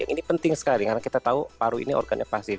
ini penting sekali karena kita tahu paru ini organnya pasif